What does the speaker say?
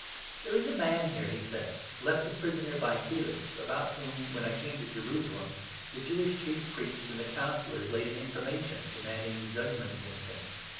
"There is a man here," he said, "left a prisoner by Felix, about whom, when Icame tojerusalem, the Jewish Chief Priests 15 and the Councillors laid an information, demanding judge ment against him.